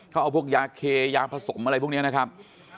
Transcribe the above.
เขาเอาพวกยาเคยาผสมอะไรพวกนี้นะครับ